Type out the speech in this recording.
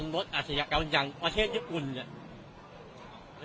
มันอาศยกรรมในประเทศจุดคลุม